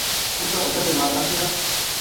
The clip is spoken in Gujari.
اس کا بچا بے نال نس گیا